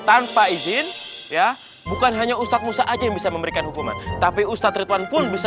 tanpa izin ya bukan hanya ustadz musa aja yang bisa memberikan hukuman tapi ustadz ridwan pun bisa